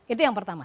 itu yang pertama